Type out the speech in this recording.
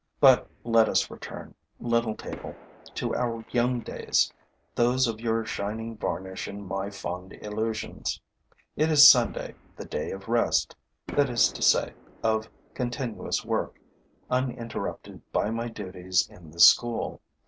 But let us return, little table, to our young days; those of your shining varnish and of my fond illusions. It is Sunday, the day of rest, that is to say, of continuous work, uninterrupted by my duties in the school.